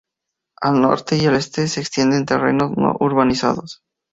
Al norte y el este se extienden terrenos no urbanizados.